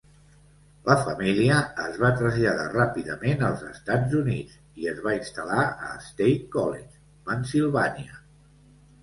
La família es va traslladar ràpidament als Estats Units i es va instal·lar a State College, Pennsilvània.